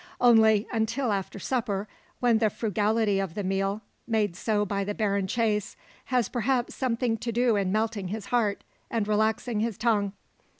Only until after supper, when the frugality of the meal made so by the barren chase has perhaps something to do in melting his heart, and relaxing his tongue.